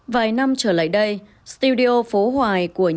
vài năm trở lại đây studio phố hoài của nhật bản đã được phát triển bền vững đất nước